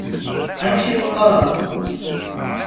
Amek i m-qqaṛen?